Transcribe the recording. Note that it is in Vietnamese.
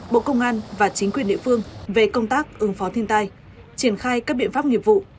bộ công an và chính quyền địa phương về công tác ứng phó thiên tai triển khai các biện pháp nghiệp vụ